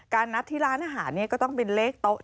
นัดที่ร้านอาหารก็ต้องเป็นเลขโต๊ะ